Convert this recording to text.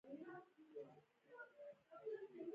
لیکوالان د ژبې بنسټونه قوي کوي.